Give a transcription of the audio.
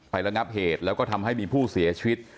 ระงับเหตุแล้วก็ทำให้มีผู้เสียชีวิต